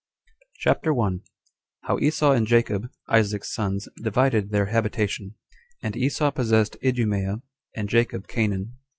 CHAPTER 1. How Esau And Jacob, Isaac's Sons Divided Their Habitation; And Esau Possessed Idumea And Jacob Canaan.